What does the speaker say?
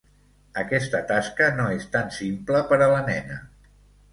Aquesta tasca no és tan simple per a la nena.